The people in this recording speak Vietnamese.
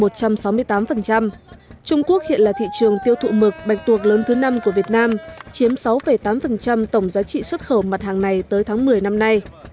trung quốc hiện là thị trường tiêu thụ mực bạch tuộc lớn thứ năm của việt nam chiếm sáu tám tổng giá trị xuất khẩu mặt hàng này tới tháng một mươi năm nay